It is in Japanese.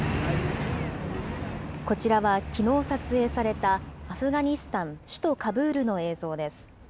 こちらは、きのう撮影されたアフガニスタン、首都カブールの映像です。